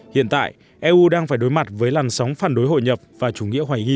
hiện tại eu đang phải đối mặt với làn sóng phản đối hội nhập và chủ nghĩa hoài nghi